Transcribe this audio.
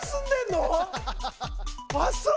あっそう！